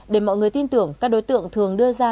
để mọi người tin tưởng các đối tượng thường đưa ra